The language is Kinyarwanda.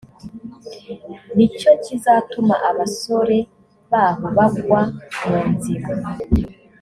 ni cyo kizatuma abasore baho bagwa mu nzira